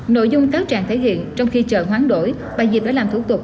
nội dung cáo trạng thể hiện trong khi chờ hoán đổi bà diệp đã làm thủ tục